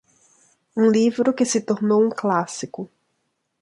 um livro que se tornou um clássico.